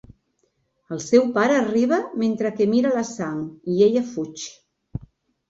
El seu pare arriba mentre que mira la sang, i ella fuig.